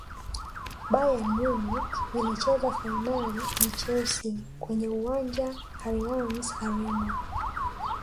bayern munich ilicheza fainali na Chelsea kwenye uwanja allianz arena